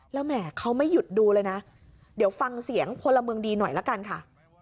แล้วแหมเขาไม่หยุดดูเลยนะเดี๋ยวฟังเสียงพลเมืองดีหน่อยละกันค่ะ